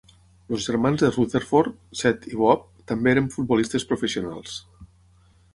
Els germans de Rutherford, Set i Bob, també eren futbolistes professionals.